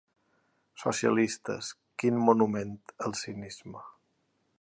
Socialistes, quin monument al cinisme!